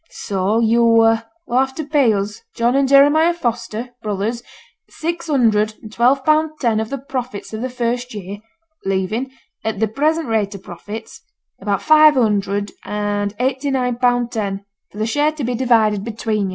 So yo' will have to pay us, John and Jeremiah Foster, brothers, six hundred and twelve pound ten out of the profits of the first year, leaving, at the present rate of profits, about five hundred and eighty nine pound ten, for the share to be divided between yo'.'